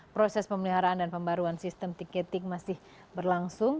proses pemeliharaan dan pembaruan sistem tiketing masih berlangsung